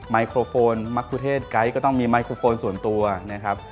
ไมโครโฟนมะกุเทศไกด์ก็ต้องมีไมโครโฟนส่วนตัวนะครับ